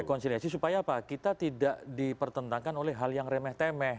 rekonsiliasi supaya apa kita tidak dipertentangkan oleh hal yang remeh temeh